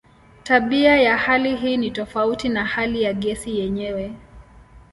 Tabia ya hali hii ni tofauti na hali ya gesi yenyewe.